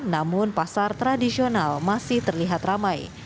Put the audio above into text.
namun pasar tradisional masih terlihat ramai